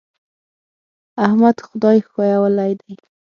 احمد خدای ښويولی دی.